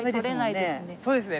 そうですね。